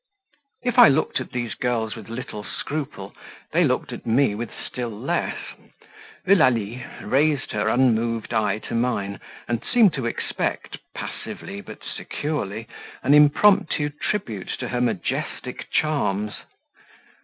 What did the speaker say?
If I looked at these girls with little scruple, they looked at me with still less. Eulalie raised her unmoved eye to mine, and seemed to expect, passively but securely, an impromptu tribute to her majestic charms.